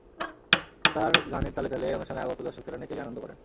তার গানের তালে তালে অনুষ্ঠানে আগত দর্শকেরা নেচে গেয়ে আনন্দ করেন।